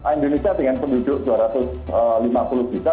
indonesia dengan penduduk dua ratus lima puluh juta